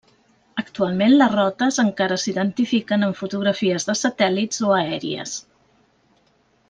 Actualment les rotes encara s'identifiquen en fotografies de satèl·lits o aèries.